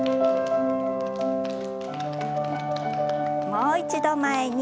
もう一度前に。